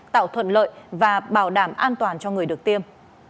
tạo thuận lợi và bảo đảm an toàn cho người được tiêm